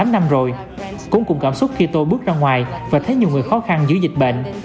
tám năm rồi cũng cùng cảm xúc khi tôi bước ra ngoài và thấy nhiều người khó khăn dưới dịch bệnh